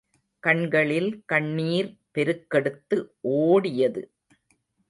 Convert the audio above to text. கண்களில் கண்ணீர் பெருக்கெடுத்து ஓடியது!